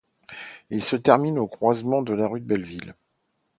Elle se termine au croisement avec la rue de Belleville.